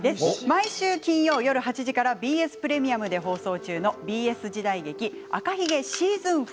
毎週金曜夜８時からＢＳプレミアムで放送中のＢＳ時代劇「赤ひげ４」。